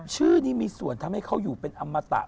ชื่อนี้มีส่วนทำให้เขาอยู่เป็นอมตะ